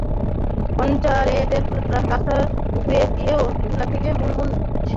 পঞ্চায়েতের রাস্তা ধুয়ে দিয়েও ধুলা থেকে মুনমুন সেনের মেয়েদের রক্ষা করা যায়নি।